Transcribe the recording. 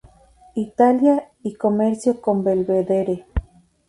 Italia y Comercio con Belvedere.